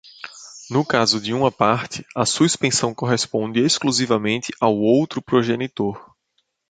No caso de uma parte, a suspensão corresponde exclusivamente ao outro progenitor.